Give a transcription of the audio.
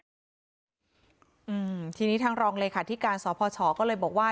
อืมทีนี้ทางรองเลยค่ะที่การสอบพชก็เลยบอกว่า